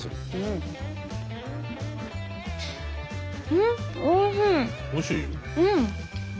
うん！